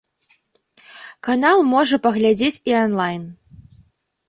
Канал можа паглядзець і анлайн.